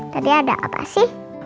tadi ada apa sih